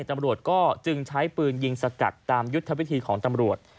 ตำรวจก็จึงใช้ปืนยิงสกัดตามยุทธวิธีของตำรวจ